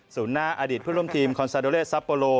หน้าอดีตเพื่อนร่วมทีมคอนซาโดเลสซัปโปโล